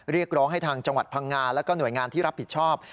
เรียกร้องให้ทางจังหวัดพังงาแล้วก็หน่วยงานที่รับผิดชอบ